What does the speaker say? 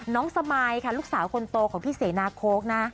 สมายค่ะลูกสาวคนโตของพี่เสนาโค้กนะ